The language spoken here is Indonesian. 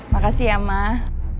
makasih ya mah